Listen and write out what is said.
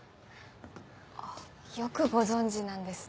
よくご存じなんですね。